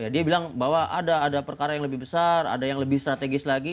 dia bilang bahwa ada perkara yang lebih besar ada yang lebih strategis lagi